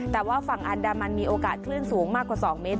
แต่ว่าฝั่งอันดามันมีโอกาสคลื่นสูงมากกว่า๒เมตร